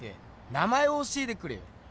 名前を教えてくれよ。